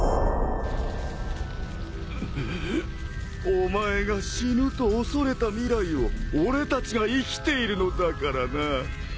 お前が死ぬと恐れた未来を俺たちが生きているのだからなファッファッファ。